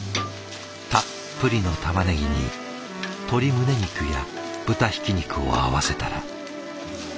たっぷりのたまねぎに鶏胸肉や豚ひき肉を合わせたら。